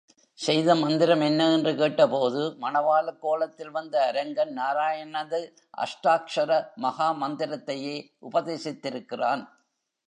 செய்த மந்திரம் என்ன என்று கேட்டபோது, மணவாளக் கோலத்தில் வந்த அரங்கன் நாராயணனது அஷ்டாக்ஷர மகா மந்திரத்தையே உபதேசித்திருக்கிறான்.